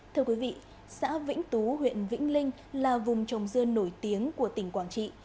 thưa quý vị xã vĩnh tú huyện vĩnh linh là vùng trồng dưa nổi tiếng của tỉnh quảng trị